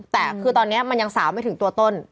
แต่คือตอนนี้มันยังสาวไม่ถึงตัวต้น